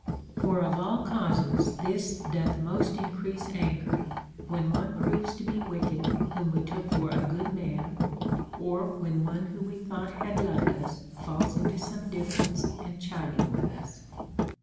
For of all causes this doth most increase anger, when one proves to be wicked whom Ave took for a good CONCERNING THE CURE OF ANGER. 57 man, or when one Avho we thought had loved us falls mto some difference and chiding witli us.